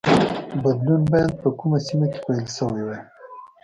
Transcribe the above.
بدلون باید په کومه سیمه کې پیل شوی وای.